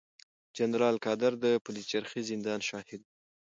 جنرال قادر د پلچرخي زندان شاهد و.